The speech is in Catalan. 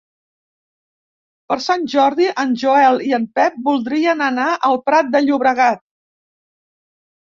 Per Sant Jordi en Joel i en Pep voldrien anar al Prat de Llobregat.